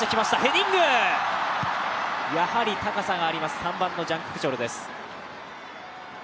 やはり高さがあります、３番のジャン・ククチョルです。